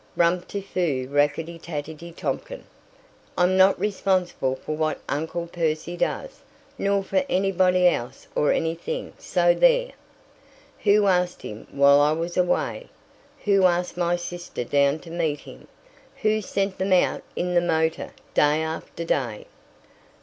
(Rum ti foo, Rackety tackety Tompkin!) I'm not responsible for what Uncle Percy does, nor for anybody else or anything, so there!" "Who asked him while I was away? Who asked my sister down to meet him? Who sent them out in the motor day after day?"